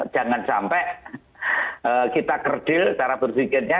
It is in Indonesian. jangan sampai kita kerdil cara berpikirnya